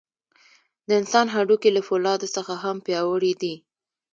د انسان هډوکي له فولادو څخه هم پیاوړي دي.